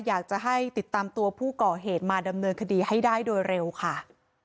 อยากจะให้ติดตามตัวผู้ก่อเหตุมาดำเนินคดีให้ได้โดยเร็วค่ะ